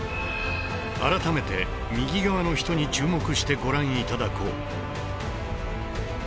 改めて右側の人に注目してご覧頂こう